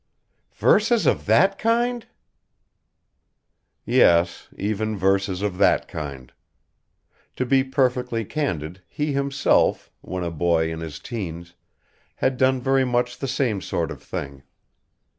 "Verses of that kind?" Yes... even verses of that kind. To be perfectly candid he himself, when a boy in his teens, had done very much the same sort of thing.